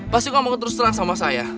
pasti kamu terus terang sama saya